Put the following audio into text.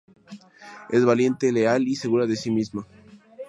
Es valiente, leal y segura de sí misma.